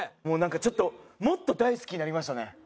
もうなんかちょっともっと大好きになりましたね。